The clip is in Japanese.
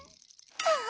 ああ。